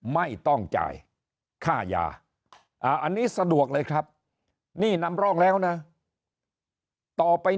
ไม่ต้องจ่ายค่ายาอันนี้สะดวกเลยครับนี่นำร่องแล้วนะต่อไป